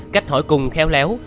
cách hỏi cùng khéo léo